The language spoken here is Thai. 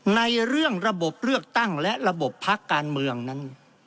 ในเรื่องระบบเลือกตั้งและระบบพักการเมืองนั้น